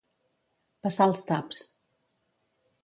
Passar els taps.